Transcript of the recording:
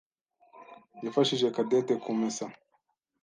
yafashije Cadette kumesa.